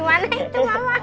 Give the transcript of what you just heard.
mama jangan marah marah